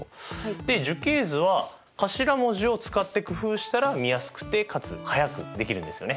樹形図は頭文字を使って工夫したら見やすくてかつ速くできるんですよね。